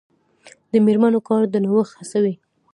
د میرمنو کار د نوښت هڅوي.